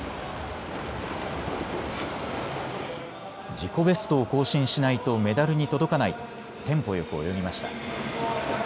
自己ベストを更新しないとメダルに届かないとテンポよく泳ぎました。